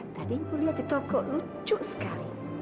tadi ibu lihat di toko lucu sekali